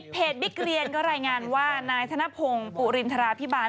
บิ๊กเรียนก็รายงานว่านายธนพงศ์ปุรินทราพิบาล